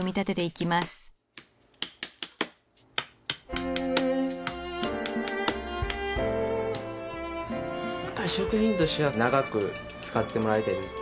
やっぱり職人としては長く使ってもらいたいです